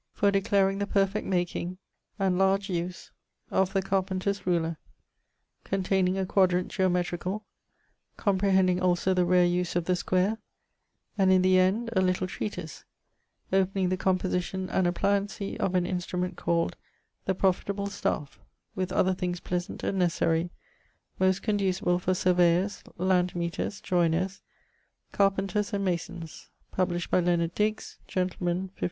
for declaring the perfect making and large use of the carpenter's ruler, containing a quadrant geometricall, comprehending also the rare use of the square, and in the end a little treatise opening the composition and appliancie of an instrument called The Profitable Staffe, with other things pleasant and necessarie, most condusible for surveyors, landmeaters, joyners, carpenters, and masons: published by Leonard Digges, gentleman, 1556.'